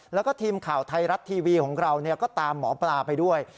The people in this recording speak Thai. แล้วก็ทีมข่าวไทยรัฐทีวีของเราก็ตามหมอปลาไปด้วย